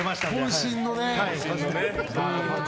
渾身のね。